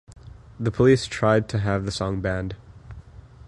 The police tried to have the song banned.